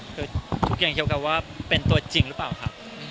คืออย่างเดียวกันว่าเป็นตัวจริงหรือเปล่าครับ